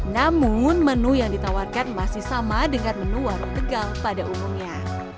namun menu yang ditawarkan masih sama dengan menu warung tegal pada umumnya